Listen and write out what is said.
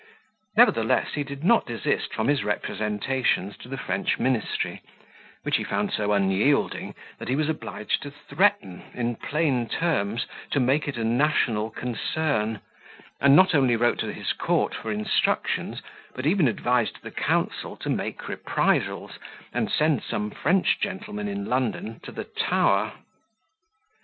Nevertheless, he did not desist from his representations to the French ministry, which he found so unyielding, that he was obliged to threaten, in plain terms, to make it a national concern; and not only wrote to his court for instructions, but even advised the council to make reprisals, and send some French gentleman in London to the Tower.